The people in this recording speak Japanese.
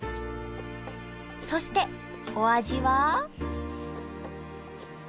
そしてお味は？